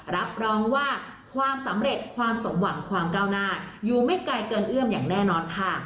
รับรองว่าความสำเร็จความสมหวังความก้าวหน้าอยู่ไม่ไกลเกินเอื้อมอย่างแน่นอนค่ะ